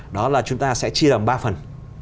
đó là chúng ta sẽ chia làm ba phần